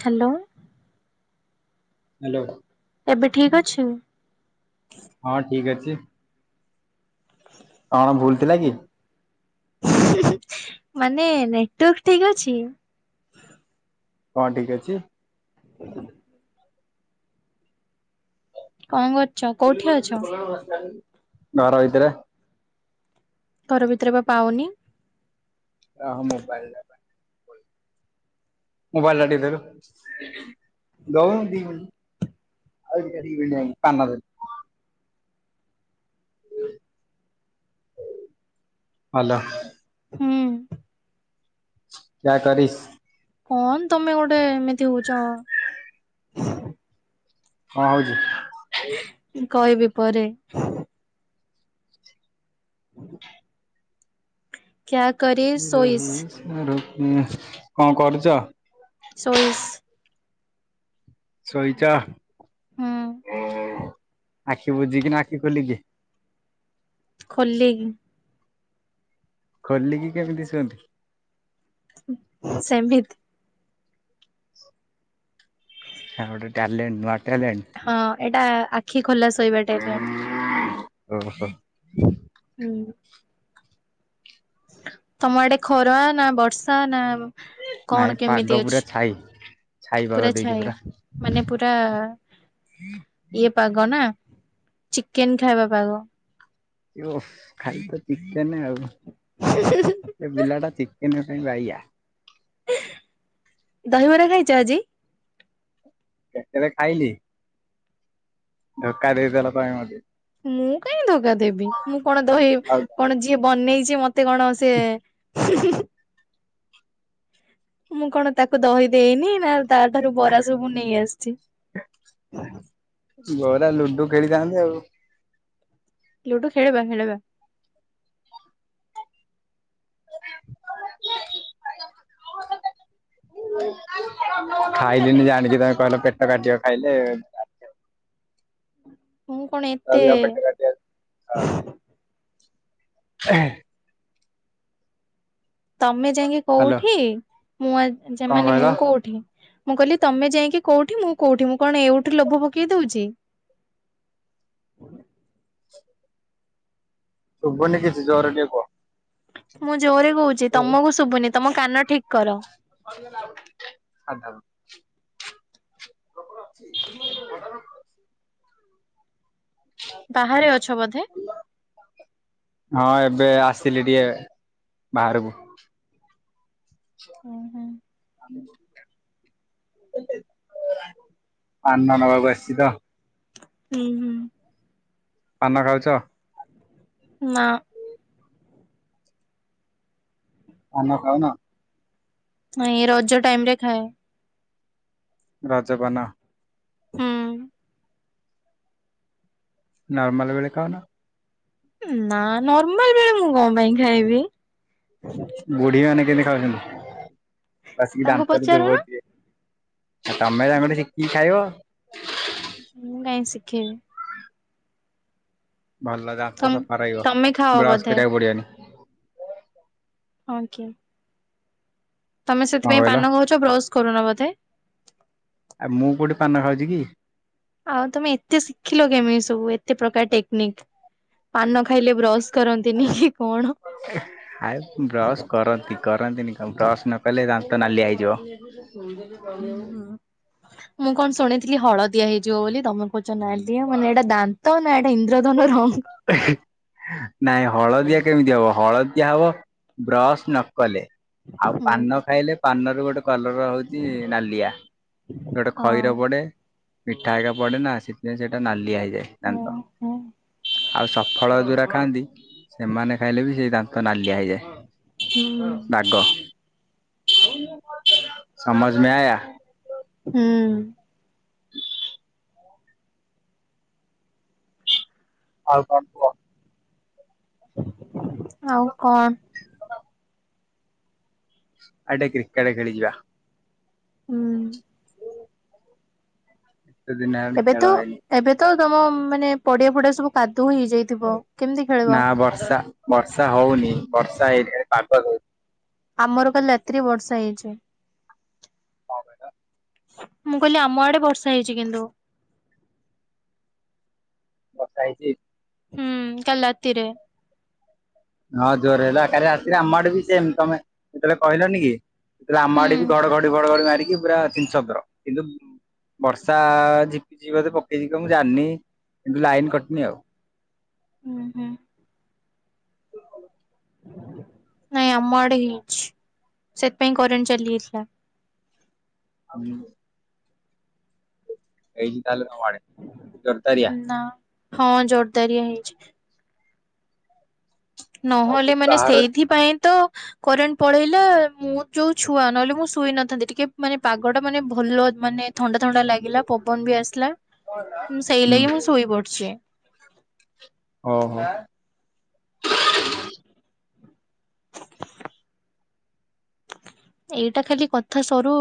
Hello. Hello. ଏବେ ଠିକ ଅଛି? ହଁ ଠିକ୍ ଅଛି। କଣ ଭୁଲ ଥିଲା କି? ମାନେ ନେଟୱାର୍କ ଠିକ ଅଛି? କଣ ଠିକ ଅଛି? ହଁ କଣ କରୁଚ କୋଉଠି ଅଛ? [unintelligible] ଘର ଭିତରେ। ଘର ଭିତରେ ପା ପାଉନି। ଓ ମୋବାଇଲ ଟା [unintelligible] ମୋବାଇଲଟା ଟିକେ ଦେଲୁ। [inaudible] ହାଲୋ। ହୁଁ କ୍ୟା କରିସ। କଣ ତମେ ଗୋଟେ ଏମିତି ହଉଚ। କଣ ହଉଚି? କହିବି ପରେ। କ୍ୟା କରିସ ସୋଇସ। [inaudible] କଣ କରୁଚ? ସୋଇସ୍। ଶୋଇଚ ହୁଁ ଆଖି ବୁଝିକିନା ଆଖି ଖୋଲିକି? ଖୋଲିକି। ଖୋଲିକି କେମିତି ଶୁଅନ୍ତି? ସେମିତି। ସାଙ୍ଗ ଗୋଟେ ଟ୍ୟାଲେଣ୍ଟ ନୂଆ ଟ୍ୟାଲେଣ୍ଟ। ହଁ ଏଇଟା ଆଖି ଖୋଲା ଶୋଇବା ଟ୍ୟାଲେଣ୍ଟ। [inaudible] ଓହୋ ହୁଁ। ତମ ଆଡେ ଖରା ନା ବର୍ଷା ନା ଆ କଣ ନାଇଁ କେମିତି ପାଗ ଅଛି ପୁରା ଛାଇ ଛାଇ ପାଗ ପୁରା ଦେଇଛି ଛାଇ ମାନେ ପୁରା ଇଏ ପାଗ ନା ଚିକେନ ଖାଇବା ପାଗ। ଓଃ ଖାଲିତ ଚିକେନ ଆଉ। ଏ ପିଲାଟା ଚିକ୍ କେନ ପାଇଁ ବାଇଆ। ଦହିବରା ଖାଇଛ ଆଜି? କେତେବେଳେ ଖାଇଲି ଧୋକା ଦେଇଦେଲ ତମେ ମତେ। ମୁଁ କାଇଁ ଧୋକା ଦେବି ମୁଁ କଣ ଦହି ଆଉ କଣ ଯିଏ ବନେଇଛି ମତେ ତେ କଣ ସିଏ ମୁଁ କଣ ତାକୁ ଦହି ଦେଇନି ନା ତାଠାରୁ ବରା ସବୁନେଇ ଆସିଛି। ଗୋରା ଲୁଡୁ ଖେଳିଥାନ୍ତେ ଆଉ। ଲୁଡୁ ଖେଳିବା ଖେଳିବା। [inaudible] ଖାଇଲିିନି ଜାଣିକି ତମେ କହିଲ ପେଟ କାଟିବ ଖାଇଲେ। ମୁଁ କଣ ଏତେ ଅଧିକ ପେଟ କାଟିବ। ଏହେଁ। ତମେ ଯାଇକି ହ୍ୟାଲୋ କୋଉଠି ମୁଁ ଆ ଯେ କଣ ମାନେ କହିଲ ମୁଁ କୋଉଠି। ମୁଁ କହିଲି ତମେ ଯାଇକି କୋଉଠି ମୁଁ କୋଉଠି ମୁଁ କଣ ଏଉଠୁ ଲୋଭ ପକେଇ ଦଉଛି। ଶୁଭୁନି କିଛି ଜୋରେଟିକେ କୁହ। ମୁଁ ଜୋରେ କହୁଛି ତମକୁ ଶୁଭୁନି ତମ କାନ ଠିକ କର। [unintelligible] ବାହାରେ ଅଛ ବୋଧେ? ହଁ ଏବେ ଆସିଲି ଟିକେ ବାହାରକୁ। ହୁଁ [inaudible] ପାନ ନବାକୁ ଆସିଛି ତ। ହୁଁ ହୁଁ। ପାନ ଖାଉଛ? ନା। ପାନ ଖାଉନ? ନାଇଁ ରଜ ଟାଇମରେ ଖାଏ। ରଜ ପାନ। ହୁଁ। ନର୍ମାଲ ବେଳେ ଖାଉନ। ନା ନର୍ମାଲ ବେଳେ ମୁଁ କଣ ପାଇଁ ଖାଇବି। ବୁଢୀ ମାନେ କେମିତି ଖାଉଛନ୍ତି ବସିକି ତାଙ୍କୁ ଦାନ୍ତରେ ପଚାରୁନ। ଚିବୋଉଥିବେ। ଆଉ ତମେ ତାଙ୍କଠୁ ଶିକିକି ଖାଇବ। ମୁଁ କାଇଁ ଶିଖିବି। ଭଲ ଦାନ୍ତ ତମ୍ ସଫା ରହିବ ତମେ ଖାଅ ବ୍ରସ ବୋଧେ କରିବାକୁ ପଡିବନି। ଆଜ୍ଞା। ତମେ କଣ ସେଥିପାଇଁ କହିଲ ପାନ କହୁଛ ବ୍ରସ କରୁନ ବୋଧେ। ଆଉ ମୁଁ କୋଉଠି ପାନ ଖାଉଛି କି। ଆଉ ତମେ ଏତେ ଶିଖିଲ କେମିତି ସବୁ ଏତେ ପ୍ରକାର ଟେକ୍ନିକ। ପାନ ଖାଇଲେ ବ୍ରଶ କରନ୍ତିନି। କଣ? ଆଉ ବ୍ରସ୍ କରନ୍ତି କରନ୍ତିନି କଣ ବ୍ରସ୍ ନ କରିଲେ ଦାନ୍ତ ନାଲିଆ ହେଇଯିବ। ମୁଁ କଣ ଶୁଣିଥିଲି ହଳଦିଆ ହେଇଯିବ ବୋଲି ତମେ କହୁଛ ନାଲିଆ ମାନେ ଏଇଟା ଦା ନ୍ତ ନା ଏଇଟା ଇନ୍ଦ୍ରଧନୁ ର ନାଇଁ ହଳଦିଆ କେମିତି ହବ ହଳଦିଆ ହବ। ବ୍ରସ୍ ନ କଲେ ଆଉ ହୁଁ ପାନ ଖାଇଲେ ପାନର ଗୋଟେ କଲର ହଉଛି ନାଲିଆ ଗୋଟେ ହଁ ଖଇର ପଡେ। ମିଠା ହେରିକା ପଡେ ନା ସେଥିପାଇଁ ସେଇଟା ନାଲିଆ ହେଇଯାଏ ଦାନ୍ତ। ହଁ। ଆଉ ସଫଳ ଯୋଉ ଗୁରା ଖାଆନ୍ତି ସେମାନେ ଖାଇଲେ ବି ସେଇ ଦାନ୍ତ ନାଲିଆ ହୁଁ। ହେଇଯାଏ। ବାଗ ସମଝ୍ ମେଁ ଆୟା। ହୁଁ। ହୁଁ ଆଉ କଣ କୁହ? ଆଉ କଣ? ଆଜି ଟିକେ କ୍ରିକେଟ ଖେଳିଯିବା? ହୁଁ। କେତେ ଦିନହେଲା ଏବେ ତ ଖେଳହେଇନି। ଏବେ ତ ତମ ମାନେ ପଡିଆ ପଡିଆ ସବୁ କାଦୁଅ ହେଇଯାଇ ନା ବର୍ଷା ବର୍ଷା ହଉନି ବର୍ଷା ହେଇ ପାଗ ଦଉ ଆମର କାଲି ରାତିକି ବର୍ଷା ହେଇଛି କଣ କହିଲ? ମୁଁ କହିଲି ଆମ ଆଡେ ବର୍ଷା ହେଇଛି କିନ୍ତୁ ବର୍ଷା ହେଇଛି। ହୁଁ କାଲି ରାତିରେ। ହଁ ଜୋରେ ହେଲା କାଲି ରାତିରେ ଆମ ଆଡେ ବି ସେମ ତମେ ଯେତେବେଳେ କହିଲନି କି? ହୁଁ। ଆମଆଡେ ବି ଘଡ଼ଘଡ଼ି ଫଡଘଡ଼ି ମାରିକି ପୁରା ଛିନ୍ଛତର କିନ୍ତୁ ବର୍ଷା ଝିପିଝିପ୍ ବୋଧେ ପକେଇଯିବ ମୁଁ ଜାଣିନି କିନ୍ତୁ ଲାଇନ କଟନି ଆଉ ହୁଁ ହୁଁ। ନାଇଁ ଆମ ଆଡେ ହେଇଛି ସେଥିପାଇଁ କରେଣ୍ଟ ଚାଲି ଯାଇଥିଲା। ଆମ ହେଇଛି ତାହାଲେ ତମ ଆଡେ ପୁରା ଯୋର୍ଦାରିଆ। ନା ହଁ ଜୋରଦାରିଆ ହେଇଛି। ଆଉ ନହେଲେ ମାନେ ବାହାର ସେଇଥିପାଇଁ ତ କରେଣ୍ଟ ପଳେଇଲା ମୁଁ ଯୋଉ ଛୁଆ ନହେଲେ ମୁଁ ଶୋଇ ନଥାନ୍ତି ଟିକେ ମାନେ ପାଗଟା ମାନେ ଭଲ ମାନେ ଥଣ୍ଡା ଥଣ୍ଡା ଲାଗିଲା ପବନ ବି ଆସିଲା ସେଇ ହୁଁ ଲାଗି ମୁଁ ଶୋଇ ପଡଛି। ଓହୋ। ଏଇଟା ଖାଲି କଥା ସରୁ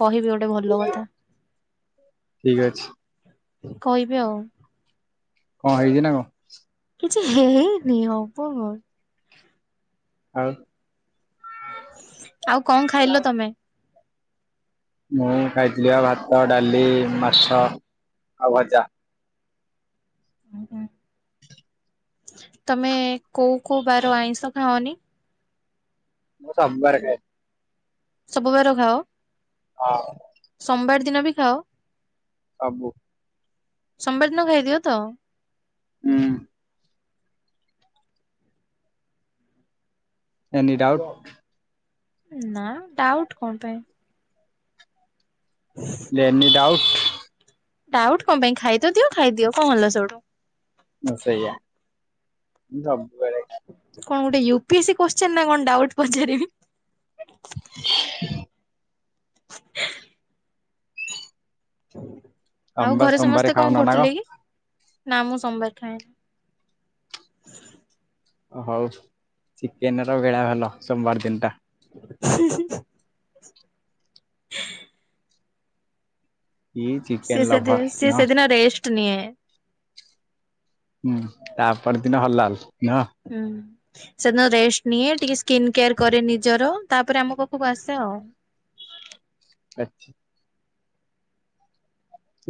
କହିବି ଗୋଟେ ଗୋଟେ ଭଲ କଥା ଠିକ ଅଛି କହିବି ଆଉ। କଣ ହେଇଛି ନା କଣ? କିଛି ହେଇନି ହବ କଣ? ଆଉ? ଆଉ କଣ ଖାଇଲ ତମେ? ମୁଁ ଖାଇଥିଲି ଭାତ, ଡାଲି, ମାଛ ଆଉ ଭଜା। ତମେ କୋଉ କୋଉ ବାର ଆଇଁଷ ଖାଅନି? ମୁଁ ସବୁ ବାରେ ଖାଏ। ସବୁବାର ଖାଅ? ହଁ। ସୋମବାର ଦିନବି ଖାଅ? ସବୁ। ସୋମବାର ଦିନ ଖାଇଦିଅତ? ହୁଁ। Any doubt? ନାଁ ଡାଉଟ୍ କଣ ପାଇଁ। Any doubt? ଡାଉଟ୍ କଣ ପାଇଁ ଖାଇତ ଦିଅ ଖାଇଦିଅ କଣ ହେଲା ସେଉଠୁ। ଉଁ ସେଇଆ ମୁଁ ସବୁ କଣ ଗୋଟେ U P S C question ନାକଣ ଡାଉଟ୍ ପଚାରିବି। [inaudible] ତମେ ଆଉ ବା ଘରେ ସୋମବାର ସମସ୍ତେ କଣ ଖାଉନ ନା କରୁଥିଲେକି ନାମୁଁ ସୋମବାର ଖାଏନି। ଓ ହଉ ଚିକେନର ବେଳା ଭଲ ସୋମବାର ଦିନଟା। ହୁ ହୁ। [inaudible] ଇ ସିଏ ଚିକେନ୍ ସେ ଲଭର୍ ସିଏ ନୁହଁ। ସେଦିନ ରେଷ୍ଟ ନିଏ ହୁଁ ତାପର ଦିନ ହଲଲ୍ ନୁହଁ? ହୁଁ ସେଦିନ ରେଷ୍ଟେ ନିଏ ଟିକେ ସ୍କିନ୍ କେୟାର କରେ ନିଜର। ତାପରେ ଆମ ପାଖକୁ ଆସେ ଆଉ। ଆଚ୍ଛା।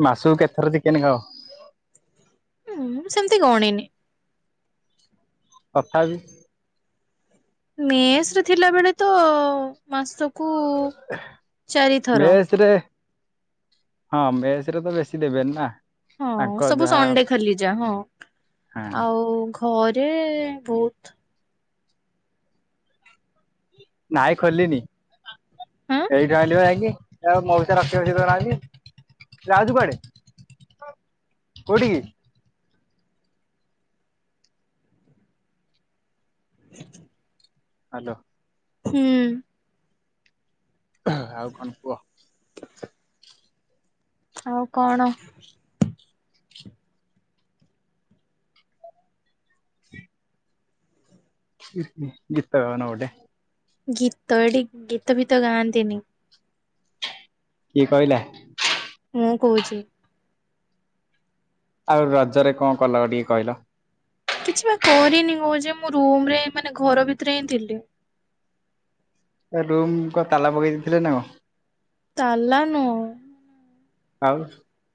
ମାସକୁ କେତେଥର ଚିକେନ୍ ଖାଅ? ଉମ୍ ସେମିତି ଗଣିନି। ତଥାବିି? ମେସରେ ଥିଲା ବେଳେତ ମାସକୁ ଚାରିଥର ମେସରେ ହଁ ମେସରେତ ବେଶୀ ଦେବେନିନା। ହଁ ସବୁ ସଣ୍ଡେ ଖାଲି ଯା ହଁ ହଁ ଆଉ ଘରେ ବହୁତ୍ ନାଇଁ ଖୋଲିନି। ଆଁ ଏଇଠୁ ଆଣିଲିବା ଯାଇକି ଏରା ମଉସା ରଖେଇ ବସେଇ ଦେଉନାହାନ୍ତି। ଯାଉଚୁ କୁଆଡ଼େ କୋଉଠିକି? [inaudible] ହାଲୋ। ହୁଁ। ଆଉ କଣ କୁଅ? ଆଉ କଣ? ଗୀତ ଗାଉନ ଗୋଟେ। ଗୀତ ଏଠି ଗୀତ ଫିତ ଗାଆନ୍ତିନି। କିଏ କହିଲା? ମୁଁ କୋଉଚି। ଆଉ ରଜରେ କଣ କଲ ଟିକେ କଇଲ। କିଛି ବା କରିନି। କହୁଚି ମୁଁ ରୁମ୍ ରେ ମାନେ ଘର ଭିତରେ ହିଁ ଥିଲି। ରୁମ୍ କ ତାଲା ପକେଇ ଦେଇଥିଲେ ନା କଣ? ତାଲା ନୁ। ଆଉ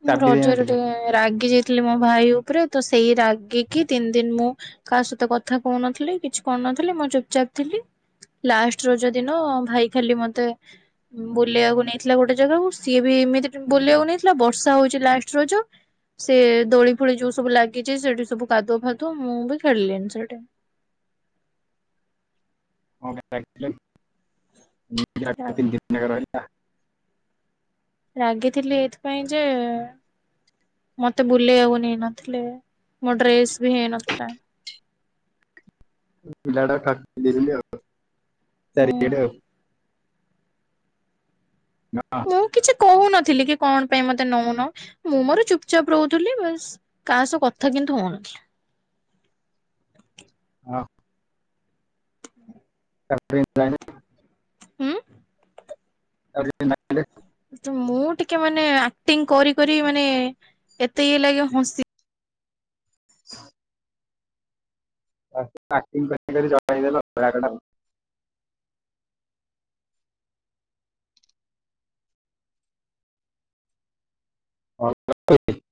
ମୁଁ ଚାବି ରଜରେ ଦେଇନଥିଲେ ଟିକେ ରାଗି ଯାଇଥିଲି ମୋ ଭାଇ ଉପରେ। ତ ସେଇ ରାଗିକି ତିନି ଦିନ୍ ମୁଁ କାହା ସହିତ କଥା କହୁନଥିଲି। କିଛି କରୁନଥିଲି ମୁଁ ଚୁପ୍ ଚାପ୍ ଥିଲି। ଲାଷ୍ଟ ରଜ ଦିନ ଭାଇ ଖାଲି ମତେ ବୁଲିବାକୁ ନେଇଥିଲା ଗୋଟେ ଜାଗାକୁ ସିଏ ବି ଏମିତି ବୁଲିବାକୁ ନେଇଥିଲା ବ ର୍ଷା ହଉଚି ଲାଷ୍ଟ ରଜ। ସେ ଦୋଳି ଫୋଳି ଯୋଉ ସବୁ ଲାଗିଛି ସେଠି ସବୁ କାଦୁଆ ଫାଦୁଅ ମୁଁ ବି ଖେଳିଲିନି ସେଇଠି। କଣ ପାଇଁ ରାଗିଥିଲ କି [unintelligible] ରାଗିଥିଲି ଏଇଥିପାଇଁ ଯେ ମତେ ବୁଲେଇବାକୁ ନେଇନଥିଲେ। ମୋ ଡ୍ରେସ ବି ହେଇନଥିଲା। ପିଲାଟା [unintelligible] ଚାରି ହୁଁ। ଆଡେ ଆଉ। ନାଁ। ମୁଁ କିଛି କହୁନଥିଲି କି କଣ ପାଇଁ ମତେ ନଉନ ମୁଁ ମୋର ଚୁପ୍ ଚାପ୍ ରହୁଥିଲି ବାସ। କାହା ସହ କଥା କିନ୍ତୁ ହୋଉନଥିଲି। ଆ [unintelligible] ଉଁ। [unintelligible] ତ ମୁଁ ଟିକେ ମାନେ ଆକ୍ଟିଂ କରି କରି ମାନେ ଏତେ ଇଏ ଲାଗେ ହସି [inaudible] ଲାଷ୍ଟକୁ ଆକ୍‌ଟିଙ୍ଗ କରି କରି ରହିଗଲ ରାଗରେ ଆଉ। [unintelligible]